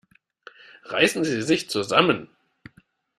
Reißen Sie sich zusammen!